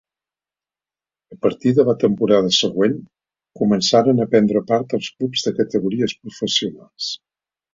A partir de la temporada següent començaren a prendre part els clubs de categories professionals.